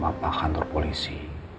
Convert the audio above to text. bapak kantor polisi